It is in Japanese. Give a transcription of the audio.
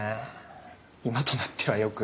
今となってはよく。